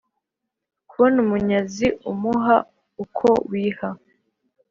Kubona umunyazi umuha uko wiha